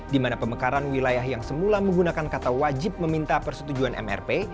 di mana pemekaran wilayah yang semula menggunakan kata wajib meminta persetujuan mrp